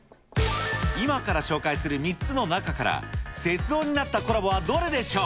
今から紹介する３つの中から、雪像になったコラボはどれでしょう。